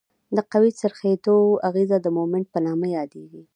د قوې د څرخیدو اغیزه د مومنټ په نامه یادیږي.